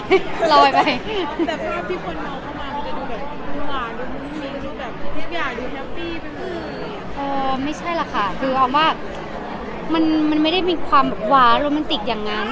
อะไรที่มันจะทำให้ทะเลาะกันหรือเป็นทุกข์หรือแค่อะไรอย่างเงี้ย